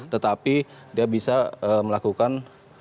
tetapi dia bisa melakukan